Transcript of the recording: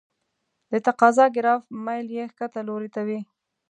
د تقاضا ګراف میل یې ښکته لوري ته وي.